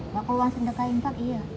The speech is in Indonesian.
bakul wang sedekah infak iya